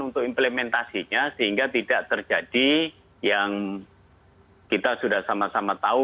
untuk implementasinya sehingga tidak terjadi yang kita sudah sama sama tahu